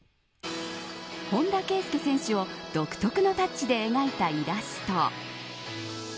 本田圭佑選手を独特のタッチで描いたイラスト。